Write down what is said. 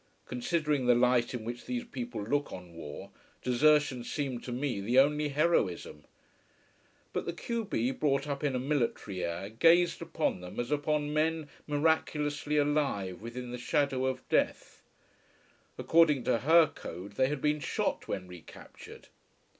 Considering the light in which these people look on war, desertion seemed to me the only heroism. But the q b, brought up in a military air, gazed upon them as upon men miraculously alive within the shadow of death. According to her code they had been shot when re captured.